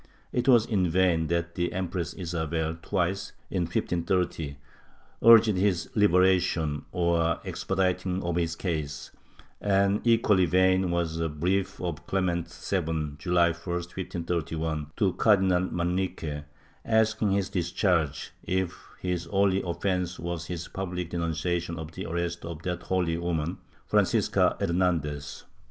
It was in vain that the Empress Isabel twice, in 1530, urged his liberation or the expediting of his case, and equally vain was a brief of Clem ent VII, July 1, 1531, to Cardinal Manrique, asking his discharge if his only offence was his public denunciation of the arrest of that holy woman, Francisca Hernandez.'